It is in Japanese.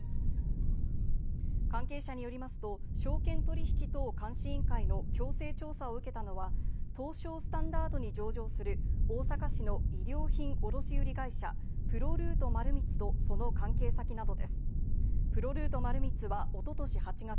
関係者によりますと、証券取引等監視委員会の強制調査を受けたのは、東証スタンダードに上場する大阪市の衣料品卸売会社・プロルート丸光と、その関係先などです。